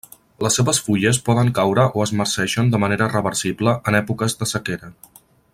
Les seves fulles poden caure o es marceixen de manera reversible en èpoques de sequera.